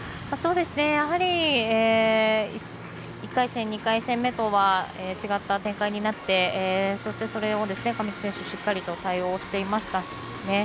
やはり１回戦、２回戦目とは違った展開になってそして、それを上地選手しっかりと対応していましたね。